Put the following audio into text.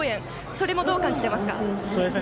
それも、どう感じていますか？